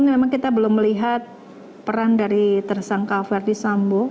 memang kita belum melihat peran dari tersangka verdi sambo